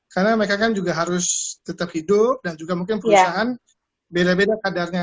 karena mereka kan juga harus tetap hidup dan juga mungkin perusahaan beda beda kadarnya